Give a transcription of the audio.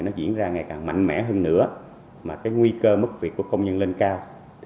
nó diễn ra ngày càng mạnh mẽ hơn nữa mà cái nguy cơ mất việc của công nhân lên cao